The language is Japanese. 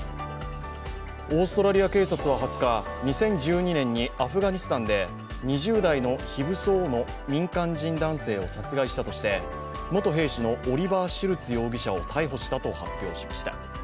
オーストラリア警察は２０日、２０１２年にアフガニスタンで２０代の非武装の民間人男性を殺害したとして元兵士のオリバー・シュルツ容疑者を逮捕したと発表しました。